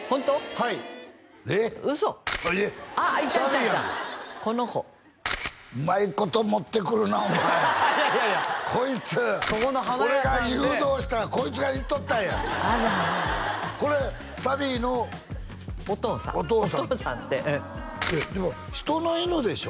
はい嘘あっいたいたいたこの子うまいこと持ってくるなお前いやいやこいつ俺が誘導したらこいつが行っとったんやあらこれサヴィのお父さんお父さんってでもひとの犬でしょ？